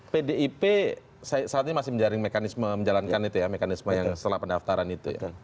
pdip saat ini masih menjalankan mekanisme setelah pendaftaran itu